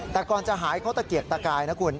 แต่ก่อนจะหายเขาตะเกียกตะกายนะคุณ